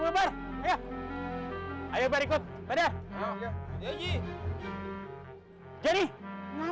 pak muhyiddin itu access gue dia udah